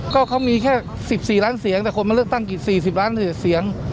ก็เขามีแค่สิบสี่ล้านเสียงแต่คนมาเลือกตั้งกี่สี่สิบล้านเสียง